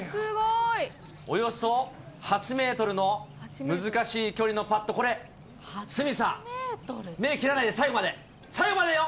およそ８メートルの難しい距離のパット、これ、鷲見さん、目きらないで、最後まで、最後までよ。